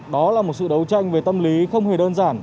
đó là một sự đấu tranh về tâm lý không hề đơn giản